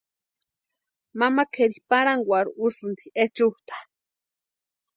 Mama kʼeri parhankwarhu úsïnti echutʼa.